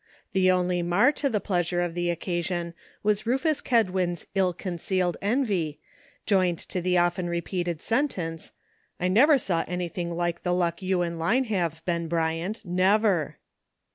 The only mar to the pleasure of the occasion was Rufus Kedwin's ill concealed envy, joined to the often repeated sentence, '' I never saw anything like the luck you and Line have, Ben Bryant, never!